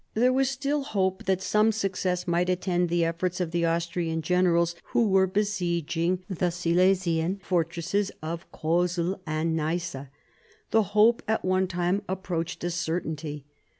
There was still hope that some success might attend the efforts of the Austrian generals who were besieging the Silesian fortresses of Kosel and Neisse. The hope at one time approached a certainty.